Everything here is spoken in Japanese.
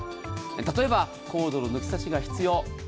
例えばコードの抜き差しが必要。